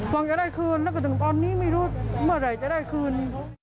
หวังจะได้คืนแล้วก็ถึงตอนนี้ไม่รู้เมื่อไหร่จะได้คืน